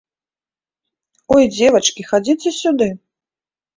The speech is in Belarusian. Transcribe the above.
Ой, дзевачкі, хадзіце сюды!